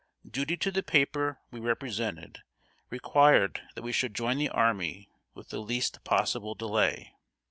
Duty to the paper we represented required that we should join the army with the least possible delay.